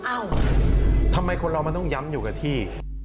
ทำไมคนเรามันต้องย้ำอยู่กับที่